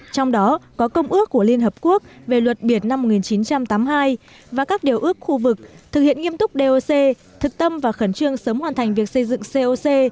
trong đó có công ước của liên hợp quốc về luật biển năm một nghìn chín trăm tám mươi hai và các điều ước khu vực thực hiện nghiêm túc doc thực tâm và khẩn trương sớm hoàn thành việc xây dựng coc